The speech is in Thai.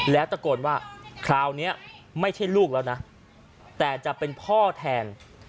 แล้วตะโกนว่าคราวนี้ไม่ใช่ลูกแล้วนะแต่จะเป็นพ่อแทน